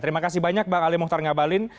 terima kasih banyak bang ali mohtar ngabalin